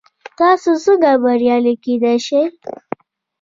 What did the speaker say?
تاسو څنګه بریالي کیدی شئ؟